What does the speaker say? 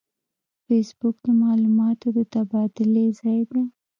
فېسبوک د معلوماتو د تبادلې ځای دی